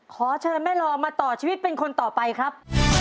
ขอเชิญแม่รอมาต่อชีวิตเป็นคนต่อไปครับ